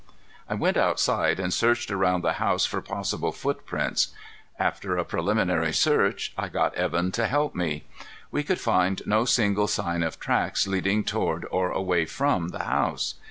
I went outside and searched around the house for possible footprints. After a preliminary search, I got Evan to help me. We could find no single sign of tracks leading toward or away from the house.